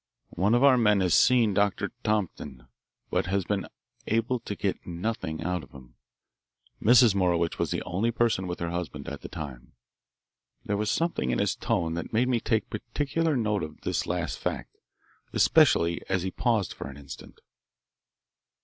One of our men has seen Doctor Thornton, but has been able to get nothing out of him. Mrs. Morowitch was the only person with her, husband at the time." There was something in his tone that made me take particular note of this last fact, especially as he paused for an instant.